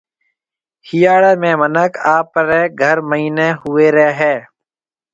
هِاڙي ۾ مِنک آپريَ گهر مئينَي هويري هيَ۔